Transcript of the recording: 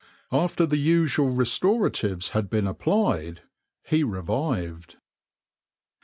After the usual restoratives had been applied, he revived.